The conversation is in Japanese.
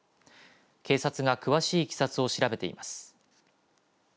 警察が詳しいいきさつを調べています。